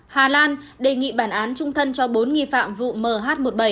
hà lan đề nghị bản án trung thân cho bốn nghi phạm vụ mh một mươi bảy